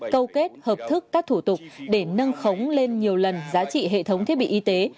câu kết hợp thức các thủ tục để nâng khống lên nhiều lần giá trị hệ thống thiết bị y tế